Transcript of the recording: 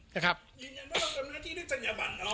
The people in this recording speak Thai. นะครับยืนยันว่าเราเป็นหน้าที่ได้จัญญาบันหรอ